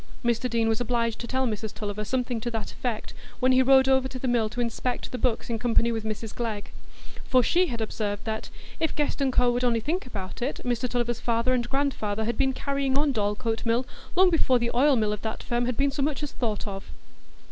Mr Deane was obliged to tell Mrs Tulliver something to that effect, when he rode over to the mill to inspect the books in company with Mrs Glegg; for she had observed that "if Guest &Co. would only think about it, Mr Tulliver's father and grandfather had been carrying on Dorlcote Mill long before the oil mill of that firm had been so much as thought of."